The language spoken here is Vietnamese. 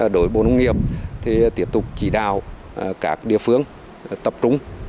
đối bộ nông nghiệp tiếp tục chỉ đạo các địa phương tập trung